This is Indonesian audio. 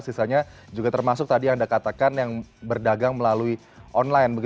sisanya juga termasuk tadi yang anda katakan yang berdagang melalui online